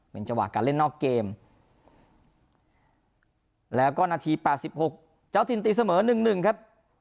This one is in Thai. เป็นจังหวะการเล่นนอกเกมแล้วก็นาที๘๖เจ้าถิ่นตีเสมอ๑๑ครับ